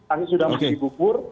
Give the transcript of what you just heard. akhirnya sudah masih bupur